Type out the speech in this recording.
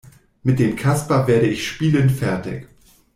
Mit dem Kasper werde ich spielend fertig.